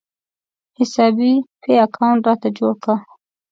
حساب پې اکاونټ راته جوړ کړه